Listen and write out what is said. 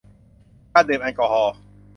การดื่มแอลกอฮอล์